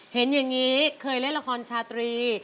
เห็นอย่างนี้เคยเล่นละครชาตรี